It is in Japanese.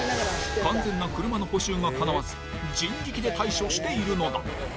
完全な車の補修がかなわず人力で対処しているのだ。